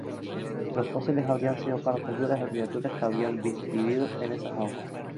Los fósiles habrían sido partes duras de criaturas que habían vivido en esas aguas.